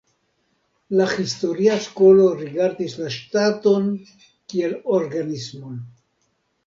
La historia skolo rigardis la ŝtaton kiel organismon.